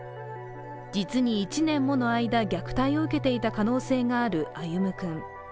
実に１年もの間虐待を受けていた可能性がある歩夢君。